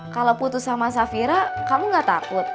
kalo putus sama sapira kamu gak takut